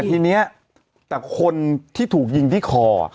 แต่ทีนี้แต่คนที่ถูกยิงที่คอ